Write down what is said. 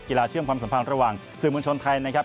เชื่อมความสัมพันธ์ระหว่างสื่อมวลชนไทยนะครับ